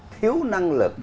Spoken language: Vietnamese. thiếu năng lực